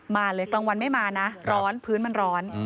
มาเลยกลางวันไม่มานะร้อนพื้นมันร้อน